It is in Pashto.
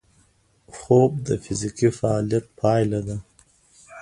خوب د فزیکي فعالیت پایله ده